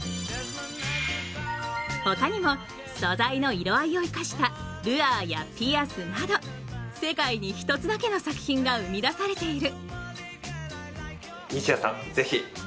他にも、素材の色合いを生かしたルアーやピアスなど世界に一つだけの作品が生み出されている。